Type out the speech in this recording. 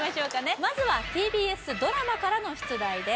まずはＴＢＳドラマからの出題です